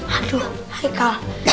aduh hai kal